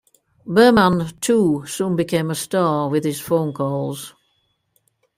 Berman, too, soon became a star with his phone calls.